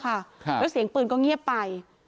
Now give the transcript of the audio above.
แล้วเสียงปืนก็เงียบไป